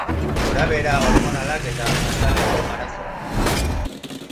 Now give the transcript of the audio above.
Gorabehera hormonalak eta azaleko arazoak.